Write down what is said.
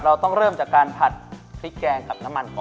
เราต้องเริ่มจากการผัดพริกแกงกับน้ำมันก่อน